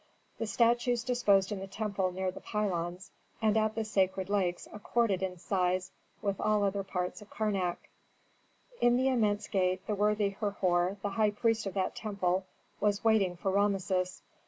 The statues disposed in the temple near the pylons, and at the sacred lakes accorded in size with all other parts of Karnak. In the immense gate the worthy Herhor, the high priest of that temple, was waiting for Rameses.